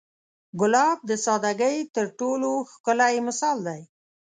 ګلاب د سادګۍ تر ټولو ښکلی مثال دی.